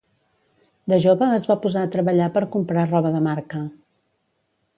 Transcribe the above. De jove es va posar a treballar per comprar roba de marca.